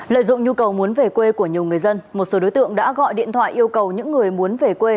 lợi dụng nhu cầu muốn về quê của nhiều người dân một số đối tượng đã gọi điện thoại yêu cầu những người muốn về quê